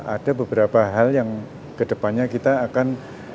ada beberapa hal yang ke depannya kita akan